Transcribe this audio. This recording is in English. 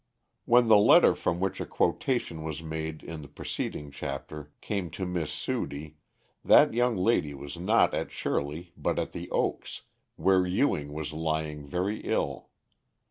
_ When the letter from which a quotation was made in the preceding chapter came to Miss Sudie, that young lady was not at Shirley but at The Oaks, where Ewing was lying very ill.